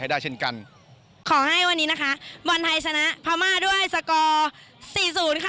ได้เช่นกันขอให้วันนี้นะคะบอลไทยชนะพม่าด้วยสกอร์สี่ศูนย์ค่ะ